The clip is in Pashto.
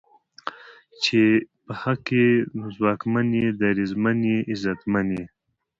چې په حق ئې نو ځواکمن یې، دریځمن یې، عزتمن یې